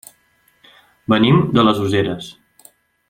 Venim de les Useres.